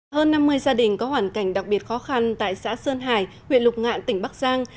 hơn năm mươi gia đình có hoàn cảnh đặc biệt khó khăn tại xã sơn hải huyện lục ngạn tỉnh bắc giang